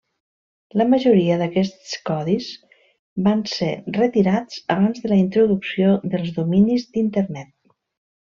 La majoria d'aquests codis van ser retirats abans de la introducció dels dominis d'internet.